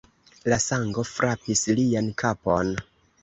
La sango frapis lian kapon.